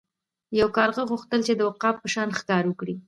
یو کارغه غوښتل چې د عقاب په شان ښکار وکړي.